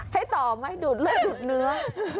ให้ต่อไหมดูดเลือดดูดเนื้อ